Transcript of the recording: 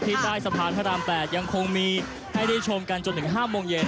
ใต้สะพานพระราม๘ยังคงมีให้ได้ชมกันจนถึง๕โมงเย็น